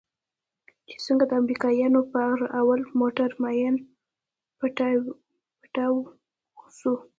چې څنگه د امريکانو پر اول موټر ماين پټاو سو.